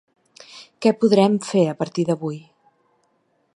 Què podrem fer a partir d’avui?